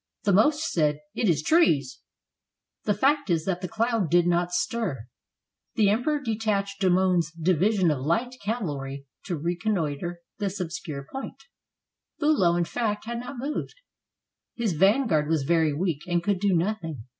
The most said: "It is trees." The fact is that the cloud did not stir. The Emperor detached Domon's division of light cavalry to reconnoiter this obscure point. 379 FRANCE Biilow, in fact, had not moved. His vanguard was very weak and could do nothing.